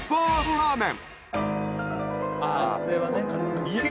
ラーメン？